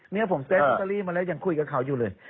นี่ผมซื้อลอตเตอรี่มาแล้วยังคุยกับเขาอยู่เลย